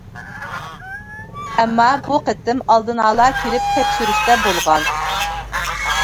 ئەمما بۇ قېتىم ئالدىنئالا كېلىپ «تەكشۈرۈشتە» بولغان.